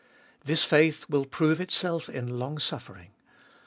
This faith will prove itself in longsuffering.